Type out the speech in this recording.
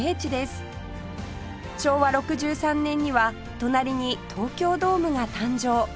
昭和６３年には隣に東京ドームが誕生